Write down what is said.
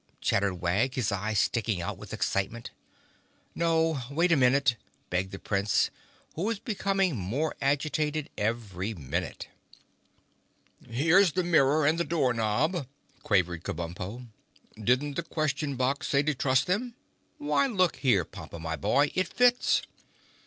chattered Wag, his eyes sticking out with excitement. "No! Wait a minute," begged the Prince, who was becoming more agitated every minute. "Here's the mirror and the door knob," quavered Kabumpo. "Didn't the Question Box say to trust them? Why, look here, Pompa, my boy, it fits!"